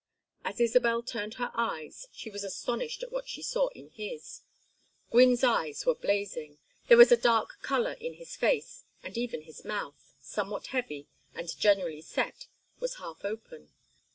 As Isabel turned her eyes she was astonished at what she saw in his. Gwynne's eyes were blazing. There was a dark color in his face, and even his mouth, somewhat heavy, and generally set, was half open.